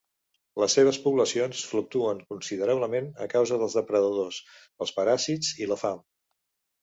Les seves poblacions fluctuen considerablement a causa dels depredadors, els paràsits i la fam.